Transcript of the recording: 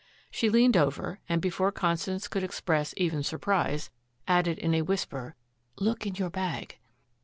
She leaned over and before Constance could express even surprise, added in a whisper, "Look in your bag."